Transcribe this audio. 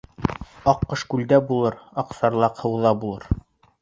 Аҡҡош күлдә булыр, аҡсарлаҡ һыуҙа булыр.